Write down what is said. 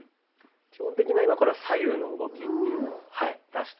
基本的な今これ左右の動きっていうのを出しています。